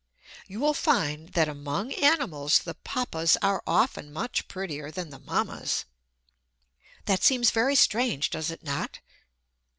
You will find that among animals the Papas are often much prettier than the Mammas. That seems very strange, does it not?